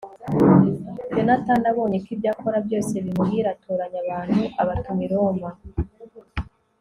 yonatani abonye ko ibyo akora byose bimuhira, atoranya abantu abatuma i roma